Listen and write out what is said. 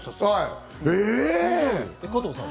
加藤さんは？